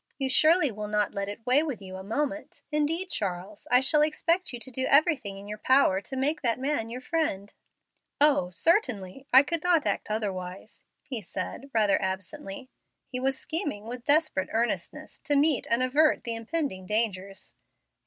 "You surely will not let it weigh with you a moment. Indeed, Charles, I shall expect you to do everything in your power to make that man your friend." "O, certainly, I could not act otherwise," he said, rather absently. He was scheming with desperate earnestness to meet and avert the impending dangers.